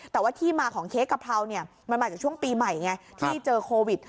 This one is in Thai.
แต่ว่าที่มาของเค้กกะเพราเนี่ยมันมาจากช่วงปีใหม่ไงที่เจอโควิด